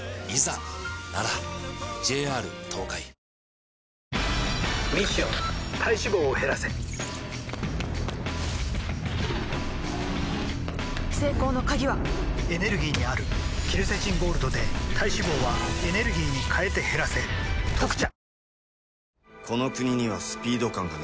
ミッション体脂肪を減らせ成功の鍵はエネルギーにあるケルセチンゴールドで体脂肪はエネルギーに変えて減らせ「特茶」